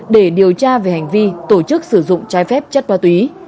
để điều tra về hành vi tổ chức sử dụng trái phép chất ma túy